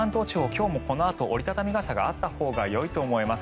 今日もこのあと折り畳み傘があったほうがよいと思います。